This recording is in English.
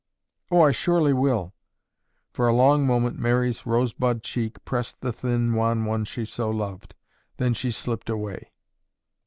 "Oh, I surely will." For a long moment Mary's rosebud cheek pressed the thin wan one she so loved, then she slipped away.